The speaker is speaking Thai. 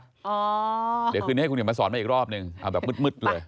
เดี๋ยวคืนนี้ให้คุณเห็นมาสอนมาอีกรอบนึงเอาแบบมืดเลย